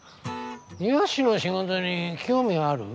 庭師の仕事に興味ある？